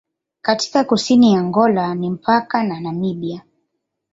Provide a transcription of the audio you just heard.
Katika kusini ya Angola ni mpaka na Namibia.